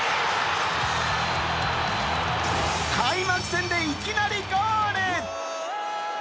開幕戦でいきなりゴール。